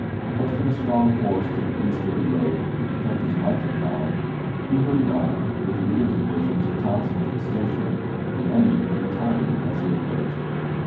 Posting a strong force to the east of the road, to protect his marching column, he hurried on with Euger's division to Thompson's Station, the enemy retiring as he approached.